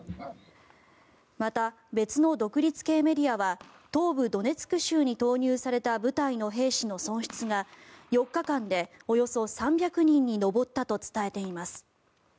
また、別の独立系メディアは東部ドネツク州に投入された部隊の兵士の損失が４日間でおよそ３００人に上ったと伝えています。